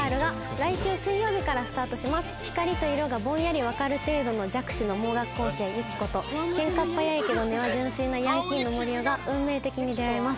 光と色がぼんやり分かる程度の弱視の盲学校生ユキコとケンカ早いけど根は純粋なヤンキーの森生が運命的に出会います。